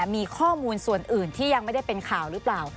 มีข้อมูลส่วนอื่นที่ยังไม่ได้เป็นข่าวหรือเปล่า